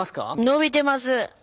伸びてます。